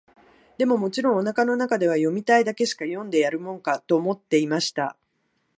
でも、もちろん、お腹の中では、読みたいだけしか読んでやるもんか、と思っていました。